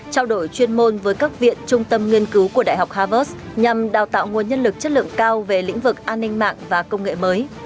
trao đổi chuyên môn với các viện trung tâm nghiên cứu của đại học harvard nhằm đào tạo nguồn nhân lực chất lượng cao về lĩnh vực an ninh mạng và công nghệ mới